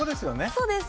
そうです。